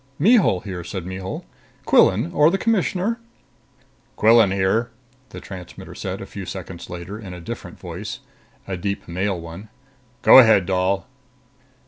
"Mihul here," said Mihul. "Quillan or the Commissioner...." "Quillan here," the transmitter said a few seconds later in a different voice, a deep male one. "Go ahead, doll."